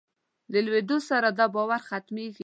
د لویېدو سره دا باور ختمېږي.